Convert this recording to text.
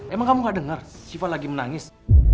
emang kamu gak dengar siva lagi menangis